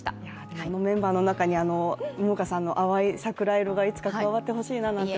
あのメンバーの中に桃花さんの淡い桜色がいつか加わってほしいなと。